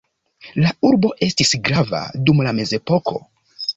La urbo estis grava dum la Mezepoko.